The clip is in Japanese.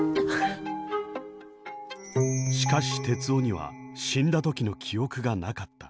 しかし徹生には死んだ時の記憶がなかった。